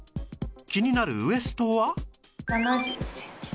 気になるウエストは